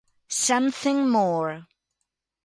Something More